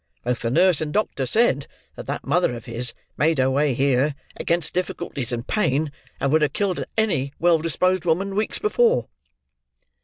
Both the nurse and doctor said, that that mother of his made her way here, against difficulties and pain that would have killed any well disposed woman, weeks before."